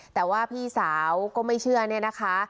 แต่ว่าพี่สาวก็ไม่เชื่อเนี่ยนะคะ